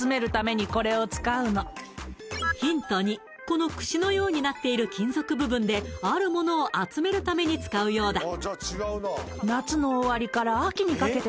このクシのようになっている金属部分であるものを集めるために使うようだ